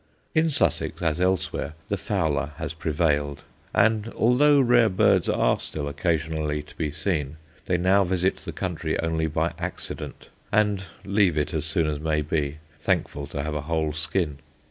In Sussex, as elsewhere, the fowler has prevailed, and although rare birds are still occasionally to be seen, they now visit the country only by accident, and leave it as soon as may be, thankful to have a whole skin.